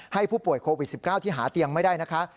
ให้ผู้ป่วยโควิด๑๙ที่หาเตียงไม่ได้นะคะ